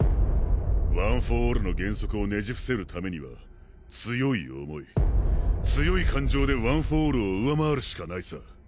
ワン・フォー・オールの原則をねじふせる為には強い想い強い感情でワン・フォー・オールを上回るしかないさ。